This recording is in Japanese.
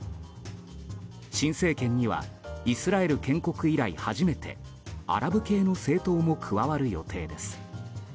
新政権にはイスラエル建国以来初めてアラブ系の政党も加わる予定です。